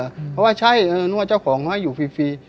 เพราะว่าใช่นั่วเจ้าของมาอยู่ฟรี